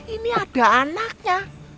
ini ada anaknya